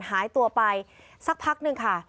หายตัวไปสักพักหนึ่งค่ะ